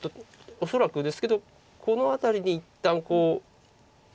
恐らくですけどこの辺りに一旦こう治まる。